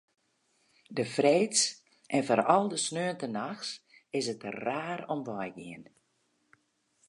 De freeds en foaral de sneontenachts is it der raar om wei gien.